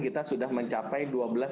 kita sudah mencapai dua belas tujuh